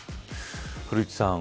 古市さん